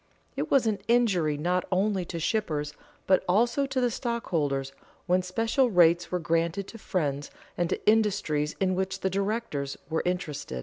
It was an injury not only to shippers, but also to the stockholders, when special rates were granted to friends and to industries in which the directors were interested.